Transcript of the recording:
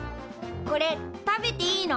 これ食べていいの？